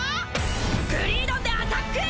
グリードンでアタック！